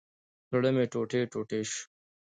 زړه مي ټوټي ټوټي شو